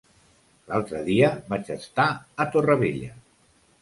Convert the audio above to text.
L'altre dia vaig estar a Torrevella.